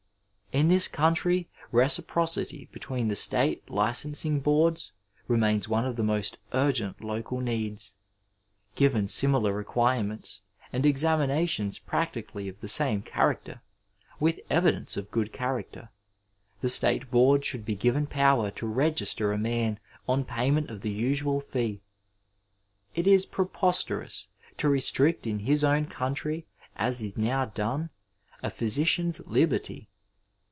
In this country reciprocity between the state licensing boardsremainsoneofthemosturgentlocalneeds. Givensimi lar requirements, and examinations practically of the same character, with evidence of good character, the state board should be given power to register a man on pajnnent of the usual fee. It is preposterous to restrict in his own coun try, as is now done, a physician's liberty.